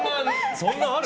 そんなある？